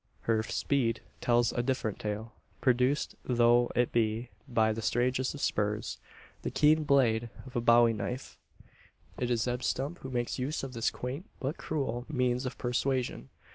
Her speed tells a different tale; produced though it be by the strangest of spurs the keen blade of a bowie knife. It is Zeb Stump who makes use of this quaint, but cruel, means of persuasion.